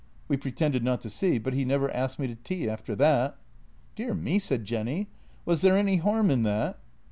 We pretended not to see, but he never asked me to tea after that." " Dear me," said Jenny. "Was there any harm in that?